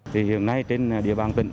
thì hiện nay trên địa bàn tỉnh